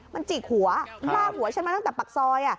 มันจิกหัวลากหัวฉันมาตั้งแต่ปากซอย